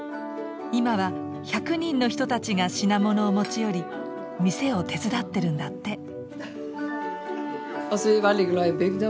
今は１００人の人たちが品物を持ち寄り店を手伝ってるんだって。